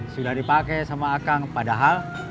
sudah dipakai sama akang padahal